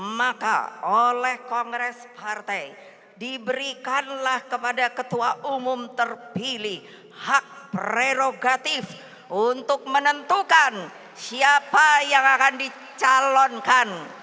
maka oleh kongres partai diberikanlah kepada ketua umum terpilih hak prerogatif untuk menentukan siapa yang akan dicalonkan